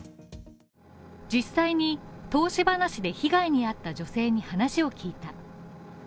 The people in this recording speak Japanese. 実際に投資話で被害に遭った女性に話を聞いた。